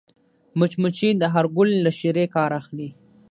مچمچۍ د هر ګل له شيرې کار اخلي